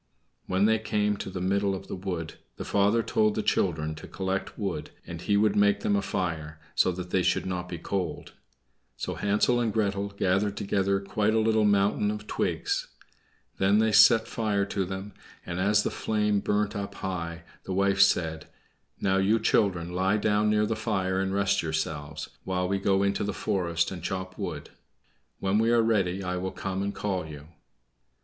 When they came to the middle of the wood the father told the children to collect wood, and he would make them a fire, so that they should not be cold. So Hansel and Gretel gathered together quite a little mountain of twigs. Then they set fire to them; and as the flame burnt up high, the wife said, "Now, you children, lie down near the fire, and rest yourselves, while we go into the forest and chop wood. When we are ready I will come and call you."